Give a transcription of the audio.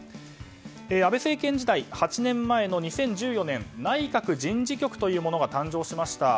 安倍政権時代、８年前の２０１４年内閣人事局というものが誕生しました。